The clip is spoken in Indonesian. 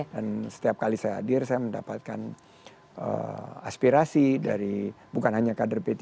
dan setiap kali saya hadir saya mendapatkan aspirasi dari bukan hanya kader p tiga